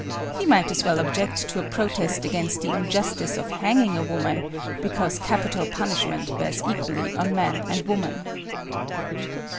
He might as well object to a protest against the injustice of hanging a woman, because capital punishment bears equally on man and woman.